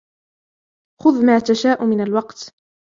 خذ ما تشاء من الوقت.